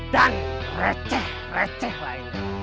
dan receh receh lainnya